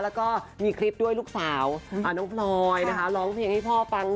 แล้วก็มีคลิปด้วยลูกสาวน้องบร้อยพ่อร้องเพลี่ยนให้พ่อฟัง